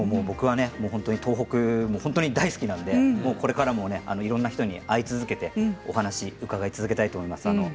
僕は東北が本当に大好きなのでこれからもいろいろな人に会い続けてお話を伺い続けたいと思います。